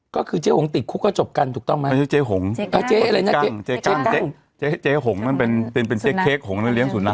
ขรบทองชาติ